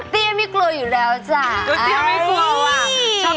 ตี้ยังไม่กลัวอยู่แล้วจ้าอันนี้ตี้ยังไม่กลัวว่ะ